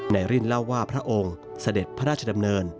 ริ่นเล่าว่าพระองค์เสด็จพระราชดำเนิน